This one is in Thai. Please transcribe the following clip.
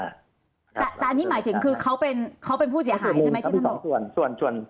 อันนี้หมายถึงเค้าเป็นผู้เสียหาใช่ไหม